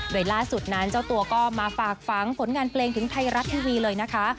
โดยล่าสุดนั้นเจ้าตัวก็มาฝากฝังผลงานเพลงถึงไทยรัฐทีวีเลยนะคะ